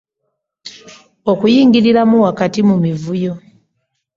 Okugiyingiramu wakati mu mivuyo.